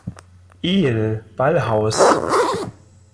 Ehl, Ballhaus“.